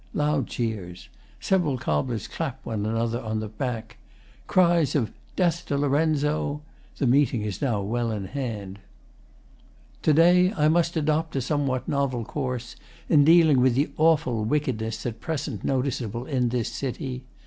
[Loud cheers. Several cobblers clap one another on the back. Cries of 'Death to Lorenzo!' The meeting is now well in hand.] To day I must adopt a somewhat novel course In dealing with the awful wickedness At present noticeable in this city.